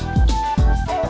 nggak lihat dia